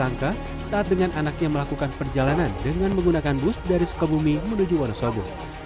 tersangka saat dengan anaknya melakukan perjalanan dengan menggunakan bus dari sukabumi menuju wonosobo